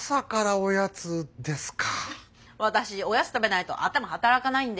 おやつ食べないと頭働かないんで。